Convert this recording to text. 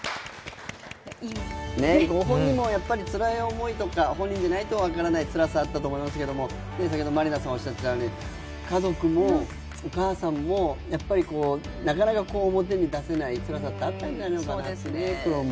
ご本人もつらい思いとか、本人じゃないと分からないつらさあったと思いますけど、家族もお母さんもやっぱりなかなか表に出せないつらさってあったんじゃないかなと、苦労も。